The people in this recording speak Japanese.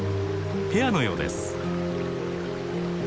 ペアのようです。